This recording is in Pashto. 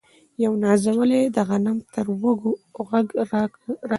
یو نازولی د غنم تر وږو ږغ راځي